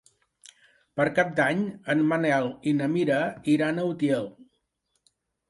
Per Cap d'Any en Manel i na Mira iran a Utiel.